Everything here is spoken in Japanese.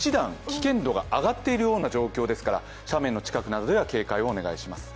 危険度が上がっている状況ですから斜面の近くなどでは警戒をお願いします。